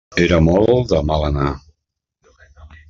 Era molt de mal anar.